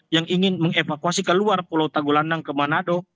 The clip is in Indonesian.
yang ingin mengevakuasi ke luar pulau tagolandang ke manado